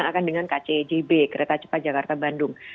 akan dengan kcjb kereta cepat jakarta bandung